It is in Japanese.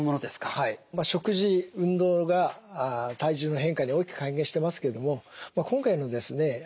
はい食事運動が体重の変化に大きく関係してますけども今回のですね